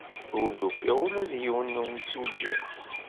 Ur d-ufiɣ ula d yiwen n yemsujji.